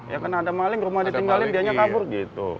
ya karena ada maling rumah ditinggalin dianya kabur gitu